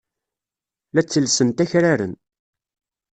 La ttellsent akraren.